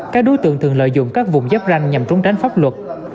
các đối tượng thường lợi dụng các vùng giáp ranh nhằm trốn tránh pháp luật